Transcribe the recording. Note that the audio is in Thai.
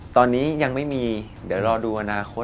ตอนนี้ยังไม่มีเดี๋ยวรอดูอนาคต